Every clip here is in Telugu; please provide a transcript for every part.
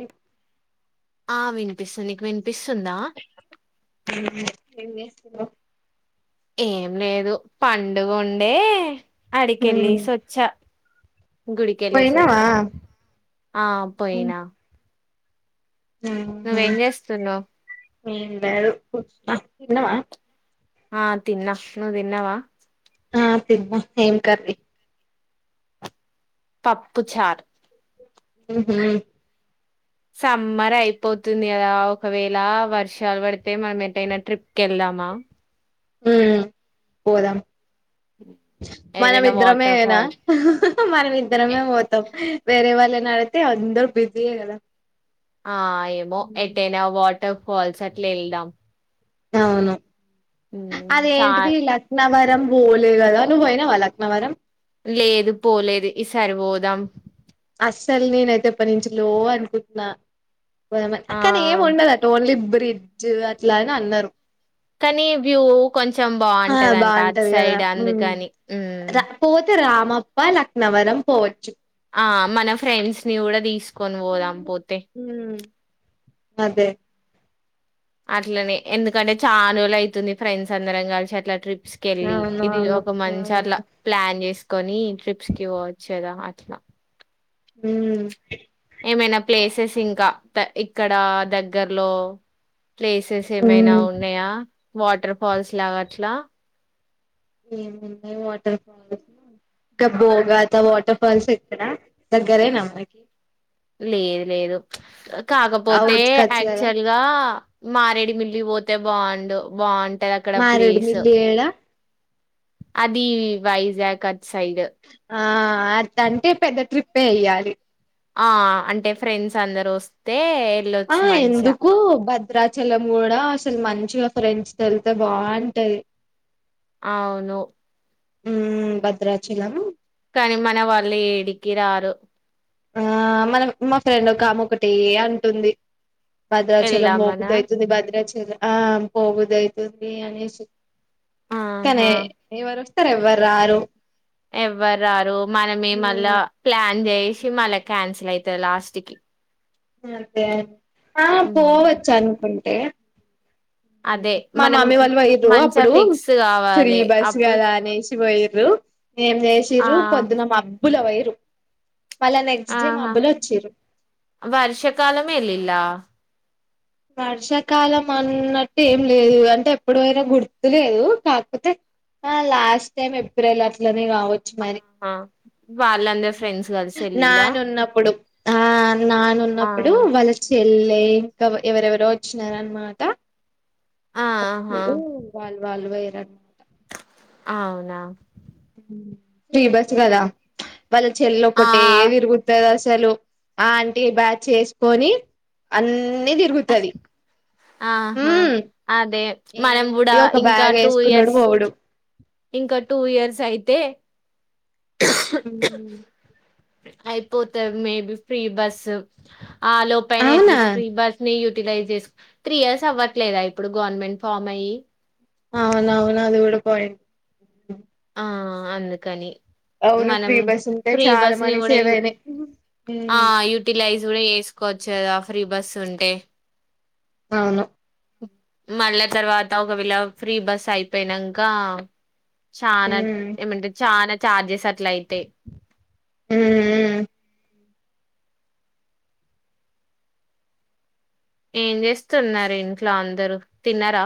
ఏ ఆ వినిపిస్తుంది నీకు వినిపిస్తుందా ఆ ఏం చేస్తున్నావు ఏం లేదు పండగ ఉండే అడికి హ్మ్ యేళ్ళేసి వచ్చా గుడికి యేళ్ళెసి పోయినవా వచ్చా ఆ పోయినా నువ్వేం చేస్తున్నావ్ నేను వేరు హు ఆ తిన్నావా ఆ తిన్నా నువ్వు తిన్నవా ఆ తిన్నా ఏం కర్రీ పప్పు చార్ ఉహు సమ్మర్ అయిపోతుంది కదా ఒకవేళ వర్షాలు పడితే మనం ఎటైనా ట్రిప్ కి వెళ్దామా మ్మ్ పోదాం ఏదైనా వాటర్ మనమిద్దరమేనా ఫాల్స్ మనం ఇద్దరమే పోతమ్ వేరే వాళ్ళని అడిగితే అందరు బిజీయే కదా ఆ ఏమో ఎటైనా వాటర్ ఫాల్స్ అట్లా యెల్దాం అవును ఉమ్, చా అదేంటిది ఇలా అన్నవరం బోలే గదా నువ్వు పోయినవా లక్నవరం లేదు పోలేదు ఈ సారిపోదాం అస్సలు నేనైతే ఎప్పటి నుంచి లో అనుకుంటున్నా పోదామ్ ఆ అని కానీ ఏం ఉండదు ఓన్లీ బ్రిడ్జ్ అట్లా అని అన్నరు కానీ వ్యూ కొంచెం ఆ బాగుంటదంట అట్ బాగుంటది కదా సైడ్ ఉమ్ అందుకని ఉమ్ రా పోతే రామప్ప లక్నవరం పోవచ్చు ఆ మన ఫ్రెండ్స్ ని కూడా తీస్కొని పోదాం పోతే హ్మ్ అదే అట్లనే ఎందుకంటే చాన్ రోజులు అయితుంది ఫ్రెండ్స్ అందరం కలిసి అట్లా ట్రిప్స్ కెళ్ళి ఇది అవునవును ఒక మంచి అట్లా ప్లాన్ చేసుకొని ట్రిప్స్ కి పో వచ్ కదా అట్లా ఉమ్ ఏమైనా ప్లేసెస్ ఇంకా త ఇక్కడ దగ్గర్లో ప్లేసెస్ ఏమైనా ఉమ్ ఉన్నాయా వాటర్ ఫాల్స్ లాగా అట్లా ఏమున్నాయి వాటర్ ఫాల్స్ ఇంకా బోగాత వాటర్ ఫాల్స్ ఇక్కడ దగ్గరేన మీకు లేదు లేదు కాకపోతే అవుట్ కట్స్ కదా యాక్చువల్ గా మారేడుమిల్లి పోతే బాగుండు బాగుంటాది అక్కడ ప్లేసు యేడ అది వైజాగ్ అట్ సైడ్ ఆ అది అంటే పెద్ద ట్రిప్పే ఎయ్యాలి ఆ అంటే ఫ్రెండ్స్ అందరు వస్తే ఆ వెళ్ళొచ్చు మంచిగా ఎందుకు బద్ చిద్రాచలం కూడా అసలు మంచిగా ఫ్రెండ్స్ తొ ఎళ్తే బాగుంటయ్ అవును ఉమ్ భద్రాచలమ్ కానీ మన వాళ్ళు ఏడికి రారు ఆ మన మా ఫ్రెండ్ ఒకామే ఒకటె అంటుంది భద్రాచలం వెళ్దామనా పోబుద్ధి అయితుంది భద్రాచలం ఆ పోబుద్ధి అయితుంది అనేసి కానీ ఆహా ఎవరు వస్తరు ఎవ్వర్ రారు ఎవ్వర్ రారు మనమే మళ్ళ ఉమ్ ప్లాన్ చేసి మళ్ళా క్యాన్సిల్ అయితది లాస్ట్ కి అదే ఆ ఉమ్. పోవచ్చు అనుకుంటే హ్మ్ అదే మా మనం మామీ వాళ్ళు పోయిర్రు మంచిగా అప్పుడు ఫిక్స్ ఫ్రీ కావాలి బస్ అప్పుడు కదా అనేసి పోయిర్రు ఏం ఆ చేసిర్రు పొద్దున మబ్బుల పోయిరు మళ్ళా నెక్స్ట్ డే మా మబ్బుల వచిర్రు వర్షకాలమే ఎల్లిల వర్షాకాలం అన్నట్టు ఏం లేదు అంటే ఎప్పుడు పోయిండ్రో గుర్తు లేదు కాక్పోతే ఆ లాస్ట్ టైం ఎప్రిల్ అట్లనే కావచ్చు మరి ఆ వాళ్లన్ చెప్ నానున్నప్పుడు ఆ ఆ నానున్నప్పుడు వాళ్ళ చెల్లె ఇంకా ఎవరెవరో వచ్చినారన్మాట ఆహా అప్పుడు వాళ్ళు ఓయిండ్రా అవునా ఫ్రీ బస్ కదా వాళ్ళ చెల్ల ఆ ఒక్కటే తిరుగుతది అసలు ఆ అంటే బ్యాచ్ చేసుకొని అన్నీ తిరుగుతది ఆహా ఉమ్ అదే మనం ఏముంది కూడా ఒక ఇంకా బ్యాగ్ టూ వేసుకునుడు ఇయర్స్ పోవుడు ఇంకా టూ ఇయర్స్ అయితే ఉమ్ అయిపోతే మేబి ఫ్రీ బస్ ఆ లోపనే అవునా ఎట్లీస్ ఫ్రీ బస్ ని యూటిలైజ్ చేసు త్రీ ఇయర్స్ అవ్వట్లేదా ఇప్పుడు గవర్నమెంట్ ఫామ్ అయ్యి అవునవును అది కూడా పాయింట్ ఆ అందుకని అవును మనం ఫ్రీ బస్ ఉంటే ఫ్రీ చాలా బస్ ని మనీ కూడా సేవ్ అయినాయి ఆ ఉమ్ యూ టిలైజ్ కూడా వేసుకోవచ్చు కదా ఫ్రీ బస్ ఉంటే అవును మళ్ళ తర్వాత ఒకవేళ ఫ్రీ బస్ అయిపోయినాక చనా ఉమ్ ఏమంటే చాలా చార్జెస్ అట్ల అయితే ఉ ఉ ఏం చేస్తున్నారు ఇంట్లో అందరు తిన్నరా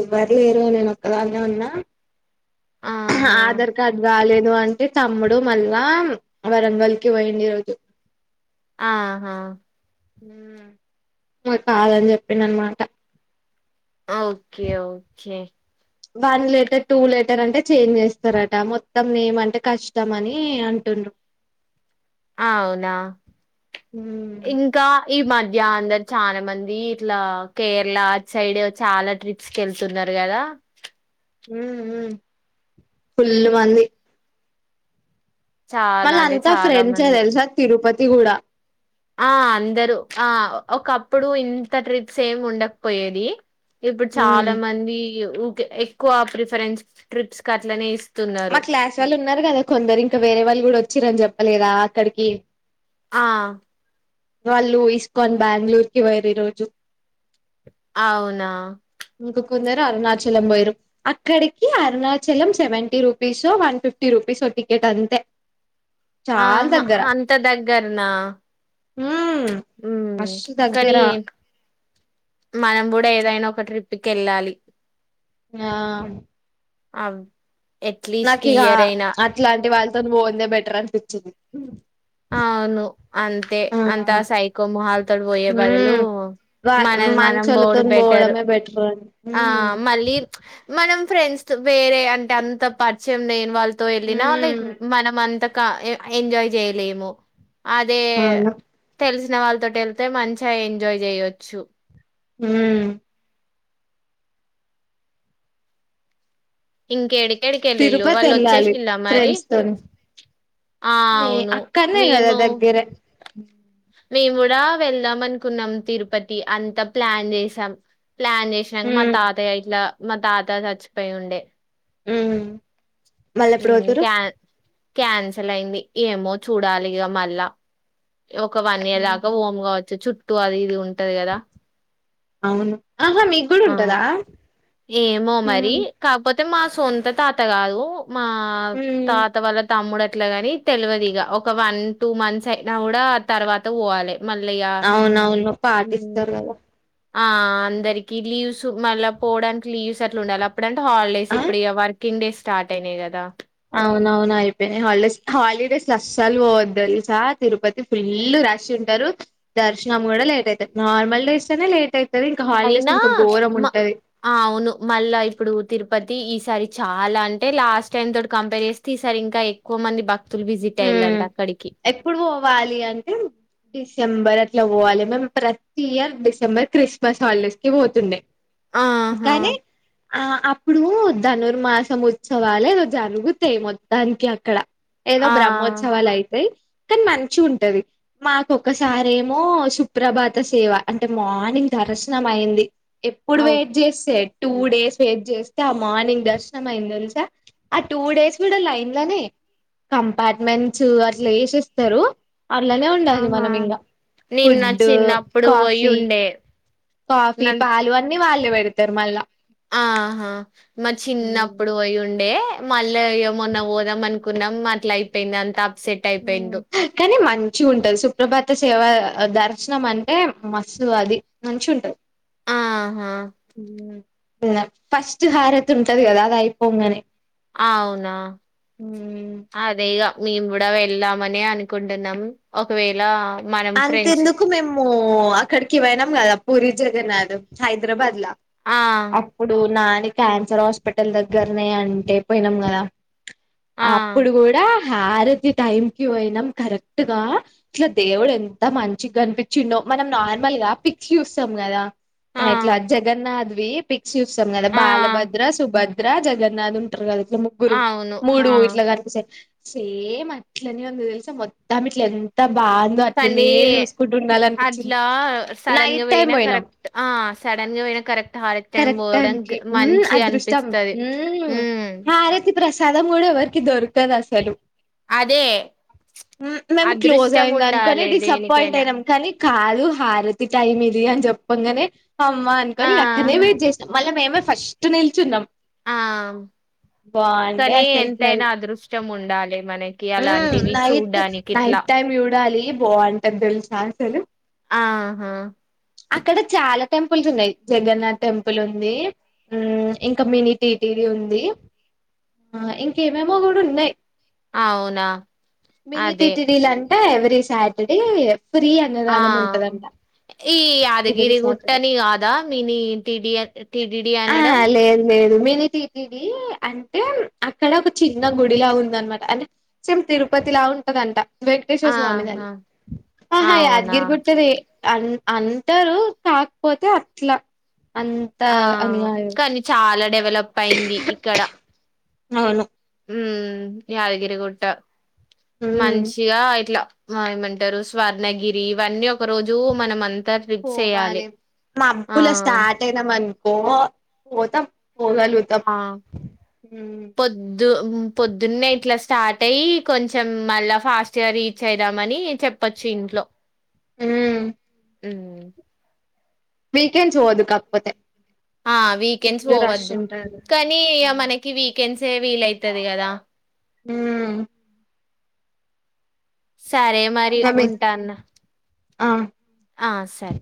ఎవ్వరు లేరు నేను ఒక్కదనే ఉన్నా ఆహా ఆధార్ కార్డ్ రాలేదు అంటే అంటే తమ్ముడు మళ్ళా వరంగల్కి పోయిడి రోజు ఆహా మాకు కాదని చెప్పిండు అన్నమాట okay okay one later, two లీ, అంటే చేంజ్ చేస్తారట. మొత్తం నేమ అంటే కష్టం అని అంటుండ అవునా ఉమ్ ఇం ఇంక ఈ మధ్య అందరు చాలా మంది ఇట్లా కేరళ అటు సైడ్ చాలా ట్రిప్ తీకెళ్తున్నారు. కదా ఉ ఉ ఫుల్ మంది చాలా మళ్ళ అంటే అంతా చాలా ఫ్రెండ్స్ మంది తెలుసా తిరుపతి కూడా ఆ అందరూ ఆ ఒకప్పుడు ఇంత ట్రిప్స్ ఏమి ఉండకపోయేది. ఇప్పుడు ఉమ్ చాలా మంది ఎక్కువ ప్రిఫరెన్స్ ట్రిప్స్ క అట్లనే ఇస్తున్నారు మా క్లాస్ వాళ్ళు ఉన్నారు. కదా కొందరు ఇంకా వేరే వాళ్ళు కూడా వచ్చిరని చెప్పలేదా అక్కడికి ఆ వాళ్ళు ఇస్కన్ బెంగళూర్ కి పోయిరు. ఈ రోజు అవునా ఇంక కొందరు అరుణాచలం పోయరు. అక్కడికి Arunachalam seventy rupees one fifty రూపీసో టికెట్ అంతే చాలా ఆహ దగ్గర అంత దగ్గరనా ఉమ్ ఉమ్ మస్తు కానీ దగ్గర మానంబడి ఇ ఏదైనా ఒక ట్రిప్కి కేళ్ళాలి. ఆ ఆ అట్లెస్ట్ ఈ ఇయర్ అయినా ఇలాంటి వాళ్ళతో పోనిదే బెటర్ అనిపించింది. ఆ అవును అంతే ఆ అంతా సైకో మొహాల తోటి పోయే బదులు ఉమ్ మన మనం పోవుడు బెట్టరు బం ఆ మళ్ళీ మనం ఫ్రెండ్స్ వేరే అంటే అంత పరిచయం లేని వాళ్ళు. త వెళ్ళిన లైక్ ఉమ్ మనం అంత ఎంజాయ్ చేయలేము అదే అవును తెలిసిన వాళ్ళతో వెళ్తే మంచిగా ఎంజాయ్ చేయొచ్చు. ఊ ఇంకేడికెడికి వెళ్ళిళ్ళు తిరుపతి వాళ్ళు వెళ్ళాలి వచ్చేసిళ మరి ఫ్రెండ్స్ తోని ఆ నే అవును అక్కడనే కదా మేము దగ్గరే మేము కూడా వెళ్దాం అనుకున్నాం తిరుపతి అంతా ప్లాన్ చేసాం ప్లాన్ చేసినాక మా ఉమ్ తాతయ ఇట్లా మా తాత చచ్చిపోయి ఉండే ఉ క్యాన్ క్యాన్సల్ అయింది ఏమో చూడాలిగా మళ్ళా ఒక వన్ ఇయర్ దాకా హఓమ్ కావచ్చు చుట్టూ అది ఇది ఉంటది కదా అవును ఆహా మీకు కూడా ఆ ఉంటదా ఏమో ఉ మరి కాకపోతే మా సొంత తాత కాదు మా తాత వాళ్ళ తమ్ముడు అట్లా గాని తెల్వదిగ ఒక వన్ టూ మంత్స్ అయినా కూడా తర్వాత పోవాలే మళ్లయ అవునవును పాటిస్తారు కదా ఆ అందరికి లీవ్స్ మళ్ళా పోవడానికి లీవ్స్ అట్లా ఉండాలి అప్పుడంటే హాలిడేస్ ఆ ఇప్పుడు వారి కింగ్ డేస్ స్టార్ట్ అయినాయి కదా అవునవునా అయిపోయినాయి హాలిడేస్ హాలిడేస్ అస్సలు పోద్దు తెలుసా తిరుపతి ఫుల్లు రష్ ఉంటారు దర్శనం కూడా లేట్ అయితారు నార్మల్ డేస్ అనే లేట్ అయితు ది ఇంకా హాలిడేస్ అయినా ఇంకాఘోరం మ ఉంటది అవును మళ్ళా ఇప్పుడు తిరుపతి ఈసారి చాలా అంటే లాస్ట్ టైమ్ తోటి కంపేర్ చేస్ తీసారి ఇంకా ఎక్కువ మంది భక్తులు విజిట్ అయ్యాలంట అక్కడికి ఇప్పుడు పోవాలి అంటే డిసెంబర్ అట్లా పోవాలి మేమ్ ప్రతి ఇయర్ డిసెంబర్ క్రిస్మస్ హాలిడేస్ కి పోతుండే ఆహా కానీ ఆ అప్పుడు ధనుర్మాసం ఉత్సవాలే రోజు అరుగుతాయి మొత్తానికి అక్కడ ఏదో ఆ బ్రహ్మోత్సవాలు అయితాయి కానీ మంచి ఉంటది మాకక్కసారేమో సుప్రభాత సేవ అంటే మార్నింగ్ దర్శనం అయింది ఎప్పుడు వెయిట్ చేస్తే టూ ఓకే డేస్ వెయిట్ చేస్ ఆ మార్నింగ్ దర్శనం అయింది తెలుసా ఆ టూ డేస్ కూడా లైన్ లోనే కంపార్ట్మెంట్స్ అట్లా వేసిస్తారు అట్లనే ఉండాలి ఆహా మనం ఇంకా నిన్న ఫుడ్ చిన్నప్పుడు పోయి కాఫీ ఉండే కాఫీ నన్ పాలు అన్ని వాళ్ళే పెడతారు మళ్ళా ఆహా మ చిన్న ఆప్పుడు పోయి ఉండే మళ్ళీ ఏమన్నా పోదాం అనుకున్నాం అట్లా అయిపోయింది అంత ఉ కానీ మంచి ఉంటది సుప్రభాత సేవ దర్శనం అంటే మస్తు అది మంచి ఉంటది ఆహా ఫస్ట్ హారతు ఉంటది కదా అది అయిపోంగనే ఆ అవునా అదేఈగ మేము కూడా వెళ్ళామని అనుకుంటున్నాం ఒకవేళ మనం ఫ్రెండ్స్ అంతేందుకు మేము అక్కడికి వెళ్దాం కదా పూరి జగన్నాథ్ హైదరాబాద్ల ఆ ఇప్పుడు నాని క్యాన్సర్ హాస్పిటల్ దగ్గరనే అంటే పోయినాం కదా ఆ అప్పుడు కూడా హారతి టైంకిి పోయినాం కరెక్ట్ గా ఇట్లా దేవుడు ఎ ఎంత మంచిగనిపించిండో మనం నార్మల్గా పిక్స్ చూస్తాం కదా ఆ ఇట్లా జగన్నాథ్వి పిక్ చూస్తాం కదా ఆ బాలభద్ర సుభద్ ద్ర జగన్నాథ్ ఉంటరు కదా ఇట్ల ముగ్గురు అవును ఆ మూడు ఇట్ల కనిపిసే సేమ్ అట్లనే ఉంది తెలుసా మొద్దాం ఇట్లు ఎంత బాగుంద కానీ అట్లా సడన్గా నైట్ టైం పోయినా పోయినాం కరెక్ట్ ఆ సడన్గ పోయినా కరెక్ట్ హారతి టైం కరెక్ట్ పోవడం గ టైమ్కి ఉమ్ మంచి అదృష్టం అనిపిస్తది ఉమ్ హారతి ప్రసాదం కూడా ఎవరికి దొరకదసలు అదే మేము అదృష్టం ఉండాలే దేనికైనా ఉమ్ కని కాదు హారతి టైమ్ ఇది అని చెప్పంగానే అమ్మ ఆ అనుకోని అక్కనే వెయిట్ చేస్ మళ్ళా మేమే ఫస్ట్ నిల్చున్నాం ఆ బాగుండే కనీ అసలుకి ఎంతైనా అదృష్టం ఉండాలి మనక్ ఉమ్ నైట్ నైట్ టైమ్ చూడాలి బాగుంటంది తెలుసా అసలు ఆహా అక్కడ చాలా టెంపుల్స్ ఉన్నాయి జగన్నాథ్ టెంపుల్ ఉంది ఉమ్ ఇంకా మినీ టీటీడి ఉంది ఆ ఇంకేమేమో కూడా ఉన్నయి అవునా మినీ అదే టిటిడీలాంటె ఎవ్రీ సాటర్డే ఫ్రీ అన్ ఆ ఈ ఎవ్రీ యాదగిరి సాటర్డే గుుట్టనీ ఆ దా మీని టీడీ టీటిడి అనడం ఆహా లేదు లేదు మనిటీటీడి అంటే అక్కడ ఒక చిన్న గుడిలా ఉందనమాట అంటే సేమ్ తిరుపతిలా ఉంటదంట వెంకటేశ్వర స్వామి దని ఆహా ఆహా అవునా యాద్గిరిగుట్టది అన్ అంటరు కాకపోతే అట్ల అంత ఆ అని కాదు కానీ చాలా డెవలపయింది ఇక్కడ అవును ఉమ్ యాదగిరిగుట్ట ఉమ్ మంచిగా ఇట్లా మా ఏమంటరు స్వర్ణగిరి ఇవన్నీ కరోజు మనం అంతా ట్రిప్స్చేయాలి ఆ దేనాం అనుకో పొతం పోగలుగు ఆ పొద్ ద్దు పొద్దున్నే ఇట్లా స్టార్ట్ అయ్యి కొంచెం మళ్ళా ఫాస్ట్గా రీచ్ అయిదామని చెప్ పచ్చి ఇంట్లో ఉమ్ ఉమ్ వీకెండ్స్ పోవదుకాకపోతే ఆ వీకెండ్స్ పోవద్దు ఉంటారు కానీ ఇగ మనకి వికెన్సీ వీలవుతది కదా ఉమ్ సరే మరి ఇంకా మీ ఉంటాన్న ఆ ఆ సరే